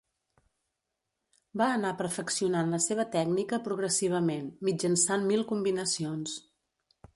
Va anar perfeccionant la seva tècnica progressivament, mitjançant mil combinacions.